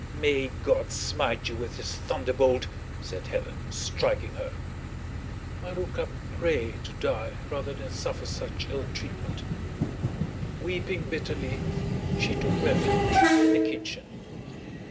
"May God smite you with his thunderbolt," said Helen, striking her. Marouckla prayed to die rather than suffer such ill treatment. Weeping bitterly, she took refuge in the kitchen.